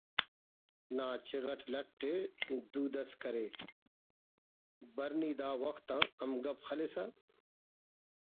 نا چغ اٹ لٹ ءِ دودست کرے…… بر نی دا وخت آ ہم گپ خلیسہ